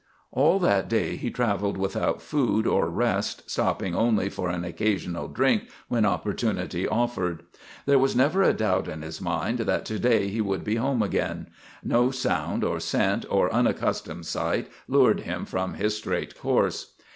All that day he travelled without food or rest, stopping only for an occasional drink when opportunity offered. There was never a doubt in his mind that to day he would be home again. No sound or scent or unaccustomed sight lured him from his straight course.